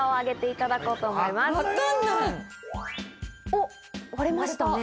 おっ割れましたね。